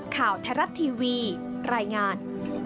ข่าวไทยรัฐทีวีรายงาน